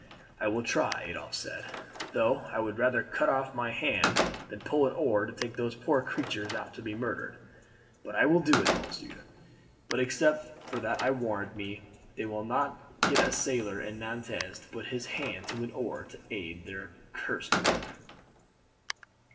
"I will try," Adolphe said, "though I would rather cut off my hand than pull an oar to take these poor creatures out to be murdered. But I will do it, monsieur. But except for that I warrant me they will not get a sailor in Nantes to put his hand to an oar to aid their accursed work."